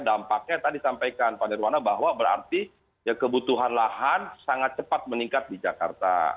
dampaknya tadi sampaikan pak nirwana bahwa berarti kebutuhan lahan sangat cepat meningkat di jakarta